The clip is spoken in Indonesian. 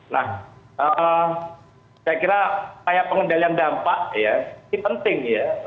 saya kira pengendalian dampak ini penting